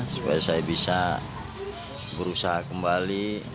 supaya saya bisa berusaha kembali